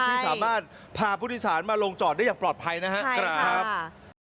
ที่สามารถพาผู้โดยสารมาลงจอดได้อย่างปลอดภัยนะครับ